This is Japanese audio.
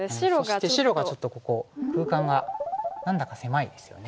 そして白がちょっとここ空間が何だか狭いですよね。